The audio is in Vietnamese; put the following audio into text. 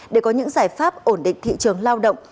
để có những giải pháp ổn định thị trường lao động